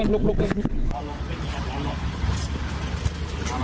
ลุกลุกกัน